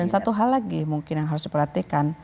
dan satu hal lagi mungkin yang harus diperhatikan